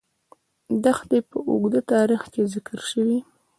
دښتې په اوږده تاریخ کې ذکر شوې.